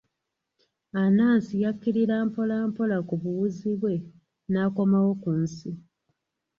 Anansi yakkirira mpola mpola ku buwuzi bwe n'akomawo ku nsi.